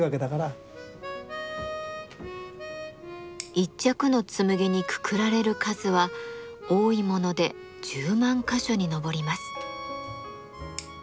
一着の紬にくくられる数は多いもので１０万か所に上ります。